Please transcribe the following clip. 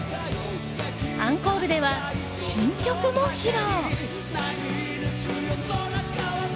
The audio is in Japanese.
アンコールでは、新曲も披露。